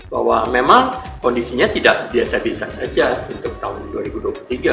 bahwa memang kondisinya tidak biasa biasa saja untuk tahun dua ribu dua puluh tiga